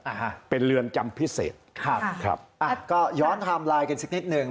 อ่าฮะเป็นเรือนจำพิเศษครับครับอ่ะก็ย้อนไทม์ไลน์กันสักนิดหนึ่ง